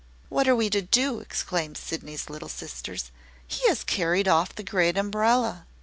"What are we to do?" exclaimed Sydney's little sisters. "He has carried off the great umbrella."